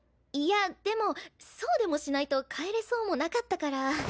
いやでもそうでもしないと帰れそうもなかったから。